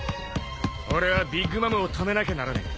俺はビッグ・マムを止めなきゃならねえ。